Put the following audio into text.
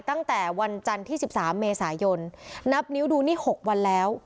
ตั้งแต่วันจันทร์ที่๑๓เมษายนนับนิ้วดูนี่๖วันแล้ว